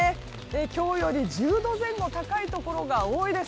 今日より１０度前後高いところが多いです。